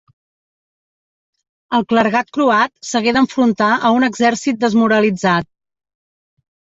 El clergat croat s'hagué d'enfrontar a un exèrcit desmoralitzat.